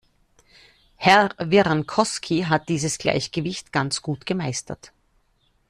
Herr Virrankoski hat dieses Gleichgewicht ganz gut gemeistert.